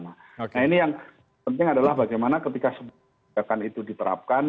nah ini yang penting adalah bagaimana ketika itu diterapkan